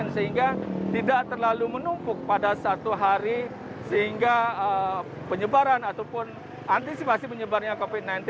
sehingga tidak terlalu menumpuk pada satu hari sehingga penyebaran ataupun antisipasi penyebarannya covid sembilan belas